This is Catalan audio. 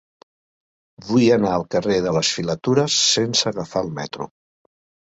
Vull anar al carrer de les Filatures sense agafar el metro.